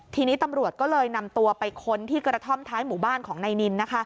ทีนี้ตำรวจก็เลยนำตัวไปค้นที่กระท่อมท้ายหมู่บ้านของนายนิน